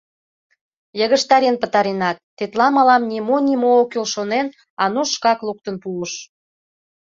Йыгыжтарен пытаренат, тетла мылам нимо-нимо ок кӱл шонен, Ануш шкак луктын пуыш.